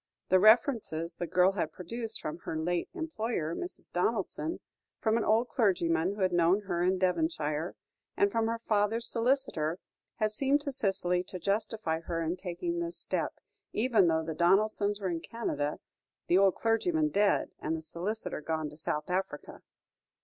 The references the girl had produced from her late employer, Mrs. Donaldson, from an old clergyman who had known her in Devonshire, and from her father's solicitor, had seemed to Cicely to justify her in taking this step, even though the Donaldsons were in Canada, the old clergyman dead, and the solicitor gone to South Africa.